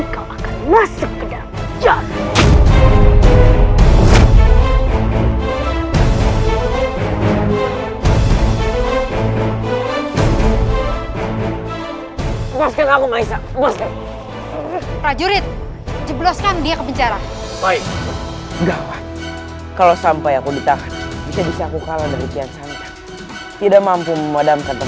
karena sebentar lagi kau akan masuk ke dalam jalan